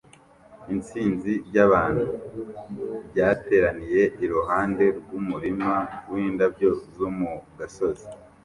Isinzi ry'abantu ryateraniye iruhande rw'umurima w'indabyo zo mu gasozi